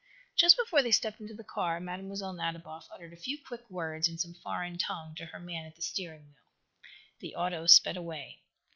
Just before they stepped into the car Mlle. Nadiboff uttered a few quick words, in some foreign tongue, to her man at the steering wheel. The auto sped away.